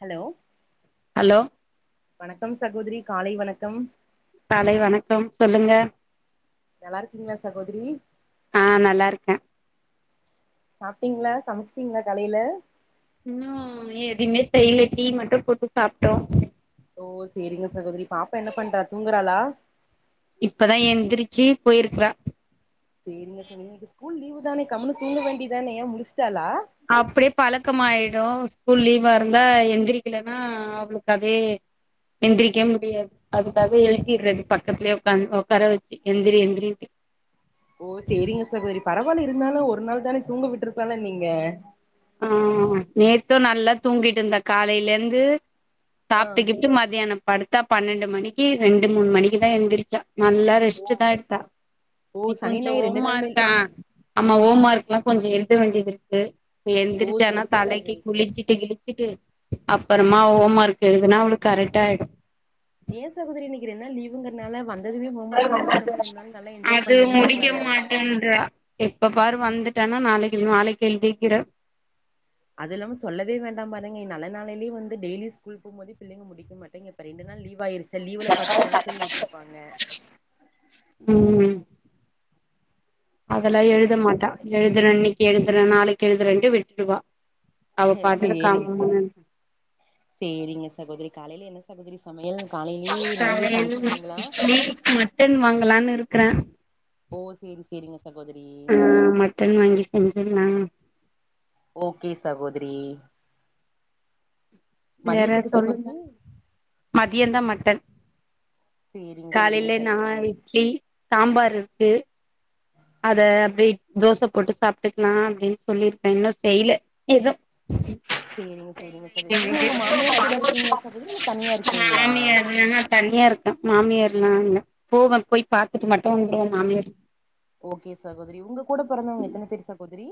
Hello hello வணக்கம் சகோதிரி காலை வணக்கம் காலை வணக்கம் சொல்லுங்க நல்லா இருக்கீங்களா சகோதிரி ஆ நல்லா இருக்கே சாப்பிட்டீங்களா சமைச்சிட்டீங்களா காலையில இன்னும் எதுமே செய்யல டீ மட்டும் போட்டு சாப்ட்டோம் ஓ சரிங்க சகோதிரி பாப்பா என்ன பண்றா தூங்கறாளா இப்பதான் எந்திரிச்சு போயிருக்கறா சரிங்க தோழி இன்னைக்கு ஸ்கூல் லீவு தானே கம்னு தூங்க வேண்டியதானே ஏன் முழிச்சிட்டாலா அப்டே பழக்கமாயிடும் ஸ்கூல் லீவா இருந்தா எந்திரிக்கலன்னா அவளுக்கு அதே எந்திரிக்கே முடியாது அதுக்காக எழுப்பிடறது பக்கத்துலே உக்காந் உட்கார வச்சு எந்திரி எந்திரினுட்டு ஓ செரிங்க சகோதிரி பரவாயில்ல இருந்தாலும் ஒரு நாள் தானே தூங்க விட்டுருக்கலான் இல்ல நீங்க ஆ நேத்தும் நல்லா தூங்கிட்டு இருந்தா காலையில இருந்து ஆ சாப்ட்டுக்கீப்ட்டு மதியானம் படுத்தா பன்னண்டு மணிக்கு ரெண்டு மூணு மணிக்கு தான் எந்திரிச்சா நல்லா ரெஸ்ட் ஓ தான் எடுத்தா ஓ நீ சனி கொஞ்சம் ஞாயிறு ரெண்டு நாளுமே ஹோமர்க்கா ஆ அம்மா ஹோம் ஒர்க் ல்லா கொஞ்சோ எழுத வேண்டிது இருக்கு ஓ எந்திரிச்சனா சேரிங்க தலைக்கு சகோதரி குளிச்சிட்டு கிழிச்சிட்டு அப்பறமா ஹோம் ஒர்க் எழுதுனா அவ்ளுக் கரெக்டாயிடும் ஏ சகோதரி இன்னிக்கு ரெண்டு நாள் லீவுங்குறனால வந் அது பண்ணி முடிக்க இருந்திருக்கலால்ல மாட்டேன்றா எப்ப பாரு வந்துட் டானா நாளைக்கு நாளைக்கு எழுதிக்கிற அது இல்லாம சொல்லவே வேண்டாம்ப ஏன்ன நீ நல்ல நாளேலே வந்து டெய்லி ஸ்கூல் போம் போதே பிள்ளைங்க முடிக்க மாட்டிங்க இப்ப ரண்டு நாள் லீவ் ஆ இருக் ல லீவுல பாத்துக்கலான் சொல்லி விட்டுருப்பாங்க ம் அதெல்லா எழுத சேரிங்க மாட்டா எழுதுரன்னி எழுதுற‌ நாளைக்கு எதுறன்ட்டு விட்ருவா அவ பாட்டுக்கு சேரி கம்முனு சேரிங்க சகோதரி காலைல என்ன சகோதரி சமையல் காலையிலயே நான்வெஜ் சமைச்சிருவீங்களா இட்லி மட்டன் வாங்கலான்னு இருக் க்கற ஓ சேரி சேரிங்க சகோதரி ஆ மட்டன் வாங்கி செஞ்சிடலா ஓக்கே சகோதரி வேற மதியத்துக்கு சொல்லுங்க சகோதரி மதியந்தா மட்டன் சேரிங்க சேரிங்க காலைல நா சகோதரி இட்லி சாம்பாரு இருக்கு அத அப்டி தோச போட்டு சாப்ட்டுக்லா அப்டின் சொல்லிருக்க இன்னு செய்ல எது சேரிங்க சேரிங்க சகோதரி நீங்க உங்க மாமியார் கூட இருக்கீங்களா சகோதரி இல்ல தனியா இருக்கீங்களா மாமியாரு தனியா இருக்க மாமியார் ஆ இல்ல போவ போய் பாத்துட்டு மட்டும் வந்துருவ மாமியார் ஓகே சகோதரி உங்க கூட பிறந்தவங்க எத்தன பேர் சகோதரி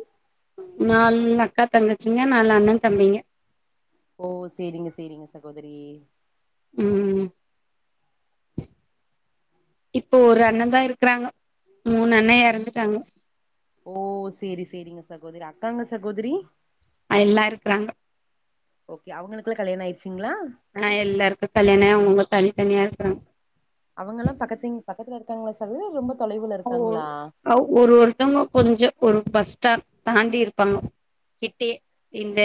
நால் அக்கா தங்கச்சிங்க நால் அண்ண தம்பிங்க ஓ சேரிங்க சேரிங்க சகோதரி ம் இப்போ ஒரு அண்ணந்தா இருக்குறாங்க மூணு அண்ண எறந்துட்டாங்க ஓ சேரி சேரிங்க சகோதரி அக்காங்க சகோதரி எல்லா இருக்குறாங்க ஓகே அவங்களுக்குலா கல்யாண ஆய்ருச்சு ஆ எல்லாருக்கு கல்யாணோ ஆயி அவங்க அவுங்க தனி தனியா இருக்குறாங்க அவங்கல்லா பக்கத்து பக்கத்துல இருக்காங்களா சகோதரி இல்ல ரொம்ப தொலைவுல ஓ இருக்காங்களா ஒரு ஒருத்தங்க கொஞ்சோ ஒரு பஸ் ஸ்டாப் தாண்டி இருப்பாங்க. கிட்டயே இந்த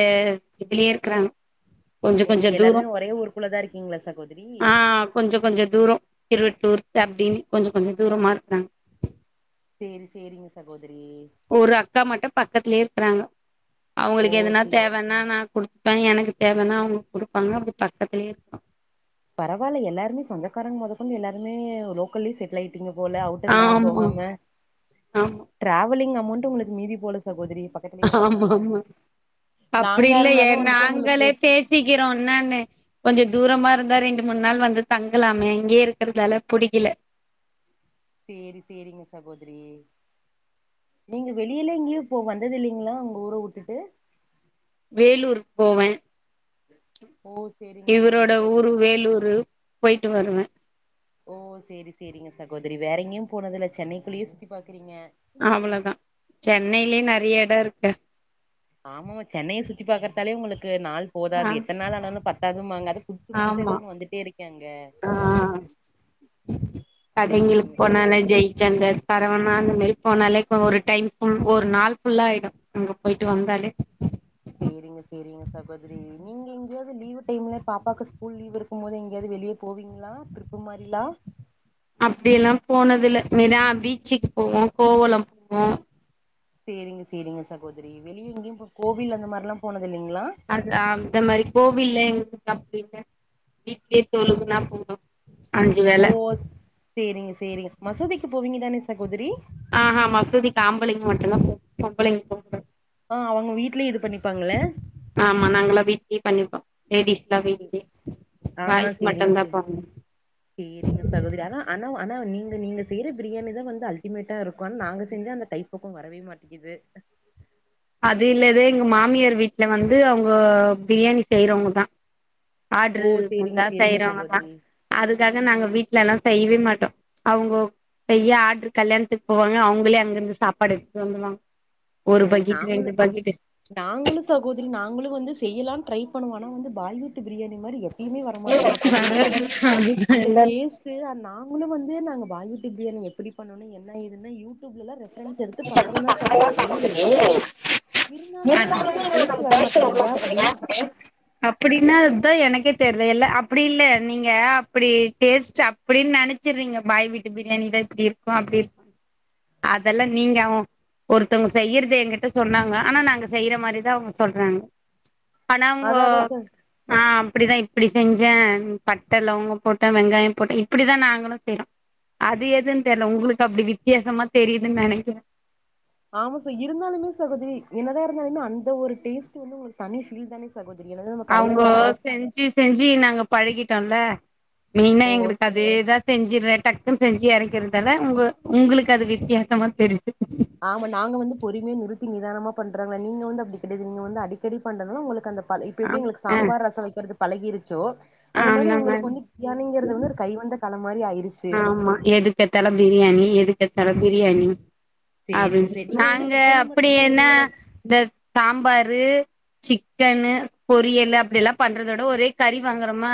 இதுலயே இருக்கறாங்க. கொஞ்சோ ஓ கொஞ்சோ தூரோ எல்லாருமே ஒரே ஊருக்குள்ளதா இருக்கீங்களா சகோதரி ஆஹ் கொஞ்சோ கொஞ்சோ தூரோ திரவி டுர்ட்டு அப்டின் கொஞ்சோ கொஞ்சோ தூரமா இருக்றாங் சேரி சேரிங் சகோ ஒரு அக்கா மட்டு பக்கத்துலயே இரு க்றாங்க ஓ அவுங்களுக்கு எதுனா சே தேவன்னா நா குடு ப்ப எனக்கு தேவன்னா அவங் குடுப்பாங்க. அப்டி பக்கத்துலயே இருப்பா பரவால்ல எல்லாருமே சொந்தக்காரங் மொத கொண்டு எல்லாருமே லோக்கல்லே செட்லாய் டிங்க போல அவுட்டர் எங்கீம் ஆமா போகாம ஆமா டிராவலிங் அ மோண்ட் உங்களுக்கு மீதி போல சகோதரி. பக்கத்துலயே ஆமா இருக்கனால ஆமா அப்டி லாங்கா இல்லயே. இருந்தாலு வந்துட்டு உங்களுக்கு நாங்களே பேசிக்கிறோனன்னு கொஞ்சோ தூரமா இருந்தா ரெண்டு மூண் நாள் வந்து தங்கலாமே இங்கயே இருக்கறதால புடிக்கல. சேரி சேரிங்க சகோதரி நீங்க வெளியெல்லா எங்கயு போ வந்ததில்லேங்ளா உங்க ஊர வுட்டுட்டு வேலூர் போவ ஓ சேரிங்க இவரோட சேரிங்க ஊரு சகோதரி வேலூரு போய்ட்டு வருவ ஓ சேரி சேரிங்க சகோதரி வேற எங்கயும் போனது இல்ல சென்னைக்குள்ளயே சுத்தி பாக்குறீங்க. அவ்ளோதா சென்னைலே நெறைய இடோ இருக்கு. ஆமாம சென்னைய சுத்தி பாக்கறதாலே உங்களுக் கு நாள் ஆ போதாது. எத்தன் நாள் ஆனாலு பத்தாதும்பாங்க. அத புடதுசு புதுசா ஆமா எதோஒன்னு வந்துட்டே இருக்கே அங்க ஆ கடைங்களுக்கு சேரிங்க சேரி. மேரி போனாலேகு ஒரு டைம்குள் ஒரு நாள் ஃபுல்லா ஆய்டு. அங்க போயிட்டு வந்தாலே சேரிங்க சேரிங்க சகோதரி நீங்க எங்கயாவது லீவு டைம்ல பாப்பாக்கு ஸ்கூல் லீவ் இருக்கும் போது எங்கேயாது வெளிய போவீங்ளா? டிரிப்பு மாரிலா அப்டி எல்லா போனதுல மெரினா பீச்சுக்கு போவோ கோவலம் போவோ. சேரிங்க சேரிங்க சகோதரி வெளிய எங்கியுபோ கோவில் அந்த மாரில்லா போன அதா அந்த மாரி கோவில்லே என்கு அப்டில்ல வீட்லே தொழுகுனா போது. அஞ்சு வேல ஓ சேரிங்க சேரிங்க மசூதிக்கு போவீங்க தானே? சகோதிரி ஆஹ்ஹா மசூதி ஆம்பளைங்க மட்டுதா [unintelligible] பொம்பளைங்க போகூடாது ஆ அவங்க வீட்லயே இது பண்ணிப்பாங்கள ஆமா நாங்களா வீட்லே பண்ணிப்போ. லேடிஸ்லா வீட்லே ஆ பாய்ஸ் சேரிங்க மட்டுந்தா சே போவங் சேரிங்க சகோதரி ஆனா ஆனா ஆனா நீங்க நீங்க செய்யற பிரியாணிதா வந்து அல்டிமேட்டா இருக்கு. ஆனா நாங்க செஞ்சா அந்த கைப்பக்கோ வரவே மாட்டிங்கிது. அது இல்லதே எங்க மாமியார் வீட்ல வந்து அவுங்க பிரியாணி செய்றவங்கதா. ஆட்ரு ஓ சேரிங்க வந்தா சேரிங்க செய்றவங்கதா சகோதரி அதுக்காக நாங்க வீட்டுலல்லா செய்வே மாட்டோ அவுங்கோ செய்ய ஆட்ரு கல்யாண்த்துக்கு போவாங்க அவங்களே அங்கிருந்து சாப்பாடு எட்த்துட்டு வந்துவாங்க. ஒரு பக்கி அவுங்களும் நாங்களும் சகோதரி நாங்களும் வந்து செய்யலானு ட்ரை பண்ணுவான் ஆனா வந்து பாய்வுட் பிரியாணி மாரி எப்பயுமே வர மாட்டேங்குது சகோதரி வராது அதுதா அந்த எல்லாரு டேஸ்ட்டு நாங்களும் வந்து இதே நாங்க பாய் வீட்டு பிரியாணி எப்படி பண்ணணும் என்ன ஏதுன்னு யூடியூப்ல டிரெண்ட்ஸ் எடுத்து பண்றன் தான் சகோதரி [inaudible] இருந்தாலுமே எங்களுக்கு அந்த டேஸ்ட் வரமாட்டேங்குது ஏ அப்டி அப்புடினா அதா எனக்கே தெரியல அப்டி இல்ல நீங்க அப்டி டேஸ்ட் அப்டின் நெனச்சிற்றீங்க பாய் வீட்டு பிரியாணிதா இப்டி இருக்கு அப்டி இருக்கு அது இதெல்லா நீங்க அவ ஒருத்தவ்ங்க செய்யறத எங்கிட்ட சொன்னாங்க ஆனா நாங்க செய்ற மாரிதா அவ்ங்க சொல்றாங்க பண உங்கோ அதா அதா ச ஆம் இப்டிதா இப்டி செஞ்சே பட்ட லவங்க போட்டே வெங்காய போட்டே இப்டிதா நாங்களு செய்றோ அது எதுன் தெர்ல உங்களுக்கு அப்டி வித்யாசமா தெரியு துன் நெனைக்கிறே ஆமா ச இருந்தாலுமே சகோதரி என்னதா இருந்தாலுமே அந்த ஒரு டேஸ்ட் வந்து உங்களுக்கு தனி ஃபீல் தானே சகோ அவ்ங்கோ செஞ்சு செஞ்சு நாங்கப் பழகிட்டோன்ல இன்னு ஓ எங்களுக்கு அதேதா செஞ்சிட்றே டக் குனு செஞ்சு எறக்கிறதால உங்க உங்களுக்கு அது வித்யாசமா தெரி்யுது ஆமா நாங்க வந்து பொறுமையா நிறுத்தி நிதானமா பண்றோங்க நீங்க வந்து அப்டி கெடையாது நீங்க வந்து அடிக்கடி பண்றதுனால உங்களுக்கு அந்த காலை இப்ப ஆ எப்டி உங்களுக்கு ஆ சாம்பார் ரச வக்கெற்து பழகிருச்சோ அந்த மாரி உங்களுக்கு வந்து பிரியாணிங்கிறது வந்து ஒரு கை வந்த கலதா ஆமா எதுக்கெட்த்தாலு பிரியாணி எதுக் கெட்த்தாலு பிரியாணி சேரிங்க அப்டின்டு சேரி நீங்க வந்து நாங்க சிக்கன்ல அப்டி மட்டுந்தா என்ன பண்ணுவீங்களா இந்த சாம்பாரு சிக்கன்னு பொரியலு அப்டிலா பண்றதோட ஒரே கரி வாங்குறமா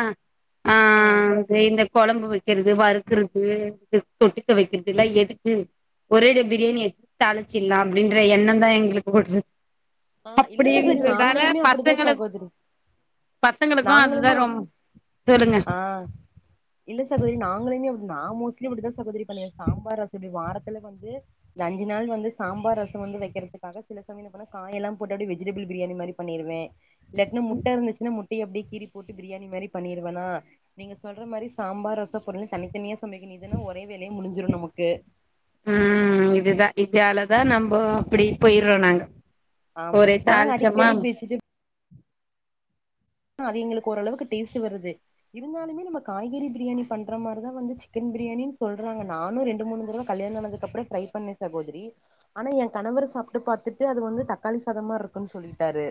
ஆ ஆஹ் மீந்த கொழம்பு வச் இருது வரு க்கிறக்கு எது தொட்டுக்க வக்கிறதுலா எதுக்கு ஒரேடியா பிரியாணியாவே தாழிச்சிட்லா அப்டின்ற எண்ணந் தா எங்களுக்கு வர்றது ஓ இல்ல சகோதரி நாங்களுமே அப்டிதா பசங்களுக்கு சகோதரி பசங்களுக்கு அதுதா நாங்களுமே ரொம் சொல்லுங்க ஆஹ் இல்ல சகோதரி நாங்களுமே நா மோஸ்ட்லி இப்டிதா ச சகோதரி பண்ணுவே சாம்பார் ரெசிபி வாரத் துல வந்து இந்த அஞ்சு நாள் வந்து சாம்பார் ரச வந்து வக்கிறத்துக்காக சில சமய என்ன பண்ணுவே காயெல்லா போட்டு அப்டியே வெஜிடபிள் பிரியாணி மாரி பண்ணிருவே இல்லாட்டினா முட்ட இருந்துச்சுனா முட் டய அப்டியே கீறி போட்டு பிரியாணி மாரி பண்ணிருவேனா நீங்க சொல்ற மாரி சாம்பார் ரசப் பொரியல்னு தனித்தனியா சமைக்கனு இதுனா ஒரே வேலை முடிஞ்சிரு நமக்கு உம் இதுதா இதாலதா நம்ப அப்டி போய்றோ நாங்க ஆமா ஒரே நாங்க தாளிச்சமா அடிக்கடி பேச்சுட்டு ஆ அது எங்களுக்கு ஓரளவுக்கு டேஸ்ட்டு வருது இருந்தாலுமே நம்ம காய்கறி பிரியாணி பண்ற மாரிதா வந்து சிக்கன் பிரியாணின் சொல்றாங்க நானு ரெண்டு மூணு தடவ கல்யாண ஆனதுக்கு அப்ற ட்ரை பண்ணே சகோதரி ஆனா எ கணவரு சாப்ட்டு பாத்துட்டு அது வந்து தக்காளி சாத மாரி இருக்குன் சொல்லிட்டாரு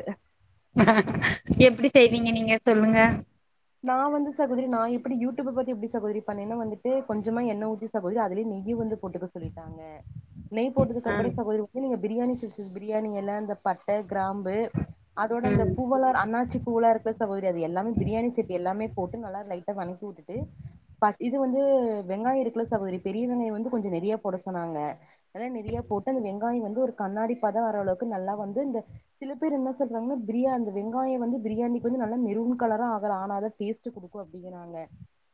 எப்படி செய்வீங்க நீங்க சொல்லுங்க நா வந்து சகோதரி நா எப்படி யூடியூப் பத்தி எப்படி சகோதரி பண்ணின்னா வந்துட்டு கொஞ்சமா எண்ணய ஊத்தி சகோதரி அதுலயெ நெய் வந்து போட்டுக்க சொல்லிட்டாங்க நெய் போட்டது ஆ அப்புறோ சகோதரி நீங்க பிரியாணி சில்சிஸ் பிரியாணி இலை இந்த பட்ட கிராம்பு அதோட இந்த ம் பூவெல்லா அண்ணாச்சி பூவெலா இருக்கல்ல சகோதரி அது எல்லாமே பிரியாணி எல்லாமே போட்டு நல்லா லைட் டா வனக்கி விட்டுட்டு இது வந்து வெங்காயோ இருக்குல்ல சகோதரி பெரிய வெங்காயோ வந்து கொஞ்சோ நிறையா போட சொன்னாங்க அதல்ல நிறையா போட்டு அந்த வெங்காயோ வந்து ஒரு கண்ணாடி பதோ வர்ர அளவுக்கு நல்லா வந்து இந்த சில பேர் என்ன சொல்றாங்கன்னா பிரியா அந்த வெங்காயோ வந்து பிரியாணிக்கு வந்து நல்லா மெருன் கலரா ஆ னாதா டேஸ்ட் குடுக்கு அப்படிங்கிறாங்க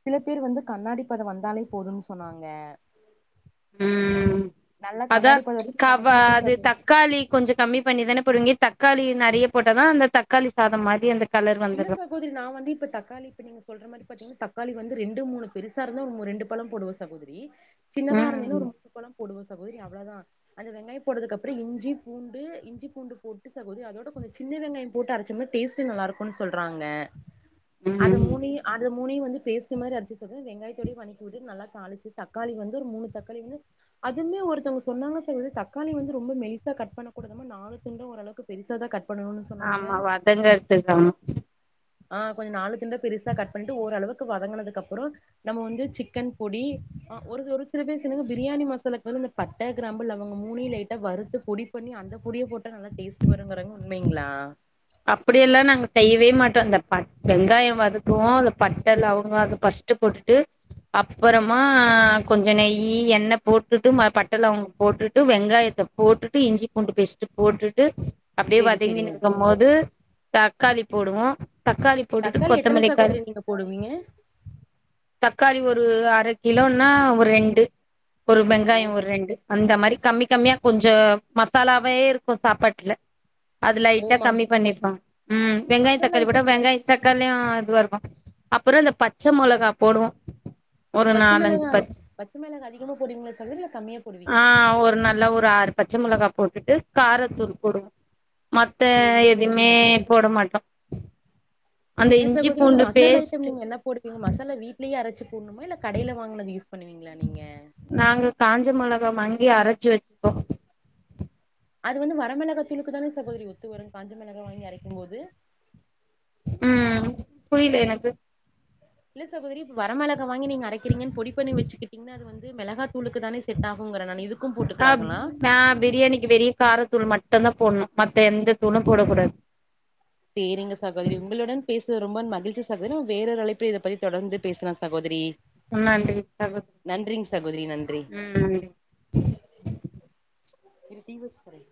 சில பேர் வந்து கண்ணாடி பதோ வந்தாலே போதும்ன்னு சொன்னாங்க உம் நல்லா அதா கண்ணாடி பத ப்ச் வரைக்கு கா வணக்கிட்டு அது தக்காளி கொஞ்சோ கம்மி பண்ணிதானே போடுவீங்க தக் தக்காளி நெறயா போட்டதா அந்த தக்காளி சாதம் மாரி அந்த கலர் இல்ல வந்துரு சகோதரி நா வந்து இப்ப தக்காளி இப்ப நீங்க சொல்ற மாரி பாத்தீங்கன்னா தக்காளி வந்து ரெண்டு மூணு பெருசா இருந்த ஒரு ரெண்டு பழம் போடுவ சகோதரி சின்னதா ம் இருந்தேனா ஒரு மூனு பழம் போடுவன் சகோதரி அவ்ளவுதா அந்த வெங்காயோ போட்டதுக்கு அப்புறோ இஞ்சி பூண்டு இஞ்சி பூண்டு போட்டு சகோதரி அதோட கொஞ்சோ சின்ன வெங்காயோ போட்டு அரச்சம்னா டேஸ்ட் நல்லாயிருக்கு ஒன்னு சொல்றாங்க அது ம் மூணுயு அது மூனையு வந்து பேஸ்ட் மாரி அரச்சிட்டு வெங்காயத்தோட வனக்கி விட்டு நல்லா தாளிச்சு தக்காளி வந்து ஒரு மூணு தக்காளி வந்து அதுமே ஒருத்தவங்க சொன்னாங்க சேரி விடு தக்காளி வந்து ரொம்போ மெலிசா கட் பண்ண கூடாதாமா நாலு துண்டா ஓரளவுக்கு பெரிசாதா கட் பண்ணணும்னு சொன்னாங்க ஆமா வதங்கறத்துக்கு ஆமா ஆஹ் கொஞ்சோ‌ நாளுக்கு துண்டா பெரிசா கட் பண்ணிட்டு ஓரளவுக்கு வதங்கினதுக்கு அப்புறோமன நம்ம வந்து சிக்கன் பொடி ஒரு ஒரு சில பேரு சொன்னாங்க பிரியாணி மசாலாக்கு வந்து இந்த பட்ட கிராம்பு லவங்கம் மூனயு லைட்டா வறுத்து பொடி பண்ணி அந்த பொடிய போட்டா நல்லா டேஸ்ட் வருங்கறாங்க உண்மையுங்களா அப்படியெல்லா நாங்க செய்யவே மாட்டோ இந்த பட்ட வெங்காயோ வதக்குவோ அந்த பட்ட லவங்கம் அத பஸ்ட் போட்டுட்டு அப்புறமா கொஞ்சோ நெய் எண்ண போட்டுட்டு ம பட்ட லவங்க போட்டுட்டு வெங்காயத்த போட்டுட்டு இஞ்சி பூண்டு பேஸ்ட் போட்டுட்டு அப்படியே சேரி சேரிங்க வதங்கினுக்கும்போது தக்காளி போடுவோ தக்காளி போட்டுட்டு தக்காளி எத்தன கொத்தமல்லிக் கர் சகோதரி நீங்க போடுவீங்க தக்காளி ஒரு அர கிலோன்னா ஒரு ரெண்டு ஒரு ஓ வெங்காயோ ஒரு ரெண்டு அந்த மாரி கம்மி கம்மியா கொஞ்சோ மசாலாவே இருக்கு சாப்பாட்டுல அது லைட்டா ஓமா கம்மி பண்ணிப்பா உம் வெங்காய மசாலா தக்காளி போட்டா ஐட்டம் என்ன வெங்காய் தக்காளியு ஆ இதுவரு அப்புறோ இந்த பச்ச மொளகா போடுவோ ஒரு பச்ச நாலஞ்சு மெளகா அ பச் பச்ச மெளகா அதிகமா போடுவிங்ளா சொல்லுங்ளே கம்மியா ஆ போடுவிங்களா ஒரு நல்லா ஒரு ஆறு பச்ச மொளகா போட்டுட்டு காரத்தூள் போடுவோ மத் சேரிங்க சகோதரி எ அந்த ஏ இஞ்சி சகோதரி இந்த பூண்டு மசாலா ஐட்டம் பேஸ்ட் நீங்க என்ன போடுவிங்க மசாலா வீட்லேயே அரச் சு போட்ணுமா இல்ல கடைல வாங்குனது யூஸ் பண்ணுவிங்களா நீங்க ச்சு வெச்சுப்போ அது வந்து வரமெளகாத்தூளுக்கு தானே சகோதிரி ஒத்து வரு காஞ்சமெளகா வாங்கி அரைக்கும் போது [inaudible] ம் புரில எனக்கு இல்ல சகோதரி இப்பொ வர மெளக வாங்கி நீங்க அரைக்குறிங்கன் பொடிப் பண்ணி வச்சிக்கிட்டிங்கன்ன அது வந்து மெளகாத் அ நா பிரியணிக்கு வெரியு காரத்தூள் மட்டந்தா போட்ணு மத்த எந்த தூளு போடக் கூடாது சேரிங்க சகோதரி உங்களுடன் பேசு ரொம்ப மகிழ்ச்சி சகோத்ரி நம வேறொரு அழைப்பில் இத பத்தி தொடர்ந்து பேஸ்லா சகோதரி ம் நன்றி சகோத் நன்றிங் சகோதரி நன்றி உம் நன்றி இரு டீ வச் தரே